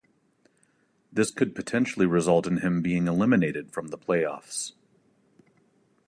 This could potentially result in him being eliminated from the playoffs.